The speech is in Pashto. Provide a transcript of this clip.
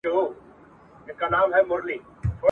را نیژدې مي سباوون دی نازوه مي ..